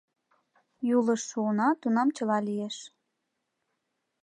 Юлыш шуына, тунам чыла лиеш.